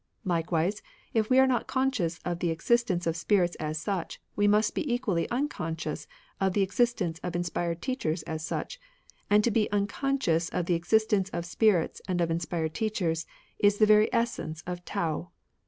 Likewise, if we are not conscious of the existence of spirits as such, we must be equally unconscious of the existence of inspired teachers as such ; and to be imconscious of the existence of spirits and of inspired teachers is the very essence of Tao."